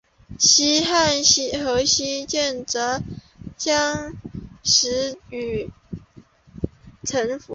两汉和西晋则让西域臣服。